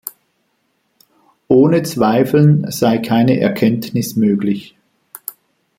Ohne Zweifeln sei keine Erkenntnis möglich.